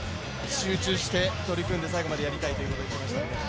集中して取り組んで、最後までやりたいということを言っていました。